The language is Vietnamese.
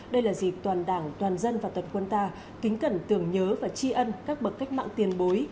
đây là dịp toàn đảng toàn dân và toàn quân ta kính cẩn tưởng nhớ và tri ân các bậc cách mạng tiền bối